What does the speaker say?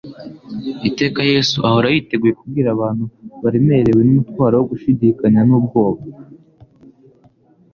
Iteka Yesu ahora yiteguye kubwira abantu baremerewe n'umutwaro wo gushidikanya n'ubwoba,